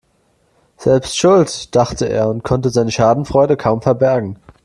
Selbst schuld, dachte er und konnte seine Schadenfreude kaum verbergen.